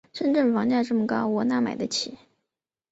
深圳房价这么高，我哪儿买得起？